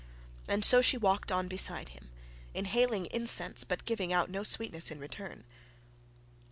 And so she walked on beside him inhaling incense, but giving out no sweetness in return.